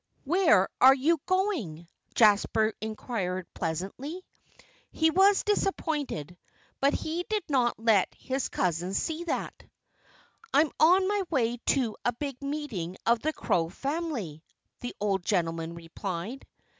"Where are you going?" Jasper inquired pleasantly. He was disappointed; but he did not let his cousin see that. "I'm on my way to a big meeting of the Crow family," the old gentleman replied.